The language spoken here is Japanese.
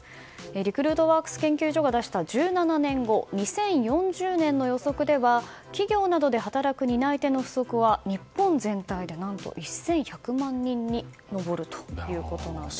リクルートワークス研究所が出した１７年後、２０４０年の予測では企業などで働く担い手の不足は日本全体で何と１１００万人に上るということなんです。